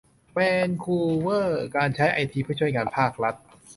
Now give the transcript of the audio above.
แวนคูเวอร์ : การใช้ไอทีเพื่อช่วยงานภาครัฐ